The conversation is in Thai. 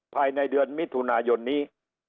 ภายในเดือนมิถุนายนนี้